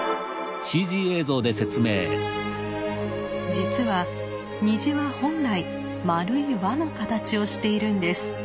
実は虹は本来丸い輪の形をしているんです。